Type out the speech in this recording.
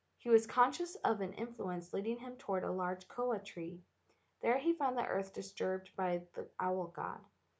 He was conscious of an influence leading him toward a large koa tree. There he found the earth disturbed by the owl god.